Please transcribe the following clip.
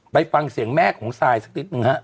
ไปฟังเสียงแม่ของซายสักนิดนึงฮะ